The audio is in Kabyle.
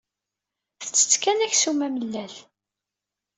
Tettett kan aksum amellal.